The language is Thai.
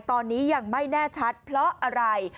ตอนนี้ยังไม่แน่ชัดเพราะอะไร